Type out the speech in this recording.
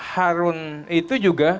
harun itu juga